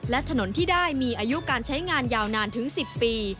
และถนนที่ได้มีอายุการใช้งานยาวนานถึง๑๐ปี